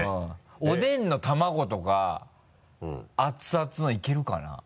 おでんの卵とか熱々のいけるかな？